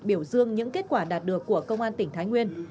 biểu dương những kết quả đạt được của công an tỉnh thái nguyên